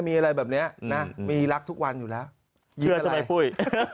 มีอะไรแบบนี้นะมีรักทุกวันอยู่แล้วเชื่อใช่ไหมปุ้ย